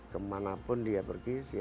kemanapun dia pergi